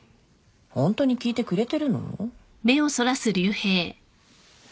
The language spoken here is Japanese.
ホントに聞いてくれてるの？